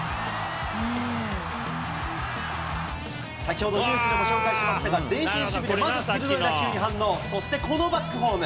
先ほど、ニュースでもご紹介しましたが、前進守備で鋭い打球に反応、そして、このバックホーム。